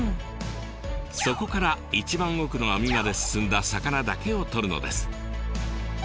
そこから一番奥の網まで進んだ魚だけをとるのです。